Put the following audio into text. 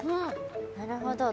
なるほど。